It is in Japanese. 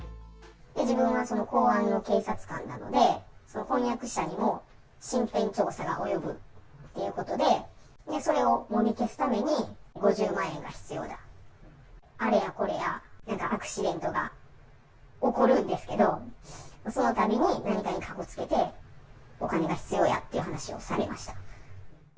自分はその公安の警察官なので、婚約者にも身辺調査が及ぶっていうことで、それをもみ消すために５０万円が必要だ、あれやこれや、なんかアクシデントが起こるんですけど、そのたびに何かにかこつけて、お金が必要やっていう話をされました。